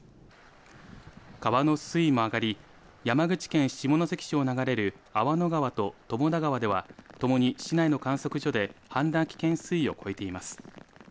川の水位も上がり山口県下関市を流れる粟野川と友田川ではともに市内の観測所で氾濫危険水位を超えています。